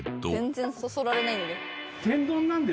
全然そそられないんだよ。